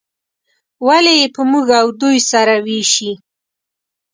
ولې یې په موږ او دوی سره ویشي.